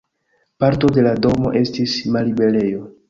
Parto de la domo estis malliberejo.